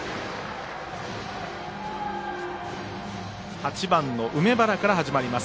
８番の梅原から始まります